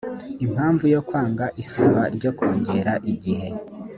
impamvu yo kwanga isaba ryo kongera igihe